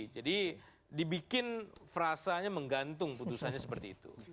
jadi dibikin frasanya menggantung putusannya seperti itu